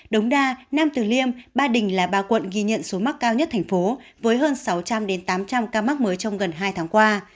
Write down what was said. đống đa nam tử liêm ba đình là ba quận ghi nhận số mắc cao nhất thành phố với hơn sáu trăm linh tám trăm linh ca mắc mới trong gần hai tháng qua